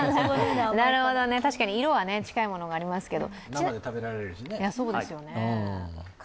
確かに色は近いものがありますけど。